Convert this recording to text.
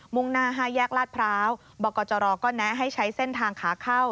่งหน้า๕แยกลาดพร้าวบกจรก็แนะให้ใช้เส้นทางขาเข้า